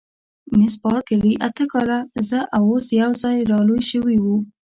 مس بارکلي: اته کاله، زه او هغه یوځای را لوي شوي وو.